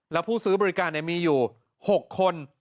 แล้วผู้ซื้อบริการมีอยู่๖คน